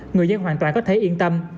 người dân hoàn toàn có thể yên tâm